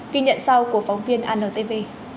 kinh nhận sau của phóng viên antv